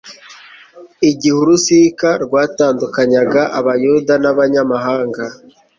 igihe urusika rwatandukanyaga abayuda n'abanyamahanga